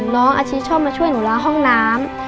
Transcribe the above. น้องอาชิชอบมาช่วยหนูล้างห้องน้ำ